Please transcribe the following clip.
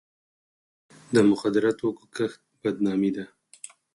د مخدره توکو کښت بدنامي ده.